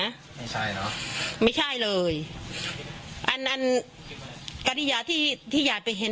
ไม่ใช่เนอะไม่ใช่เลยอันอันกริยาที่ที่ยายไปเห็น